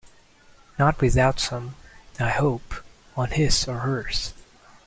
Not without some, I hope, on his or hers.